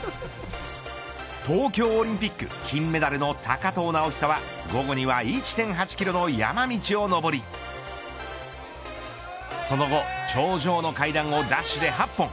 東京オリンピック金メダルの高藤直寿は午後には１．８キロの山道を登りその後頂上の階段をダッシュで８本。